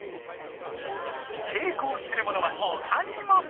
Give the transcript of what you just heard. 蛍光するものはほかにも。